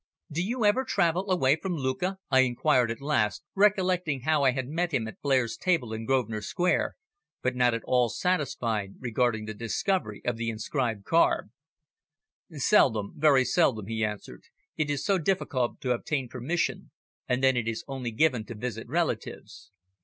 "Do you ever travel away from Lucca?" I inquired at last, recollecting how I had met him at Blair's table in Grosvenor Square, but not at all satisfied regarding the discovery of the inscribed card. "Seldom very seldom," he answered. "It is so difficult to obtain permission, and then it is only given to visit relatives.